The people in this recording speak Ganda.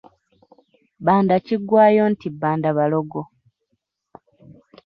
Bbanda kiggwaayo nti Bbandabalogo.